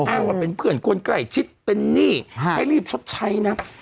อ้างว่าเป็นเพื่อนคนใกล้ชิดเป็นหนี้ให้รีบชดใช้นะ